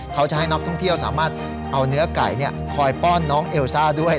เขาจะให้นักท่องเที่ยวสามารถเอาเนื้อไก่คอยป้อนน้องเอลซ่าด้วย